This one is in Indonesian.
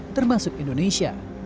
dari qatar termasuk indonesia